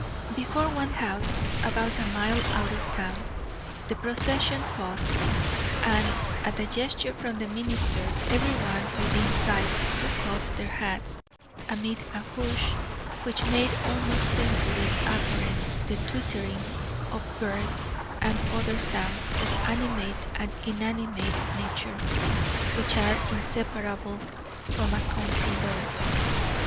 Before one house, about a mile out of town, the procession paused, and at a gesture from the minister everyone within sight took off their hats, amid a hush which made almost painfully apparent the twittering of birds and the other sounds of animate and inanimate nature, which are inseparable from a country road.